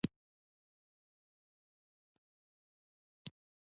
دا له خلکو او ادب سره د ژورې مینې ثبوت دی.